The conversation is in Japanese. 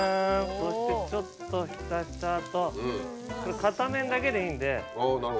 そしてちょっと浸した後片面だけでいいんで。